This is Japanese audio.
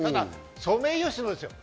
ソメイヨシノですよ。